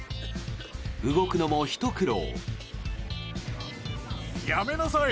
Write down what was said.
動くのもひと苦労。